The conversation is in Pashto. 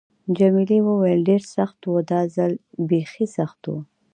جميلې وويل:: ډېر سخت و، دا ځل بیخي سخت و.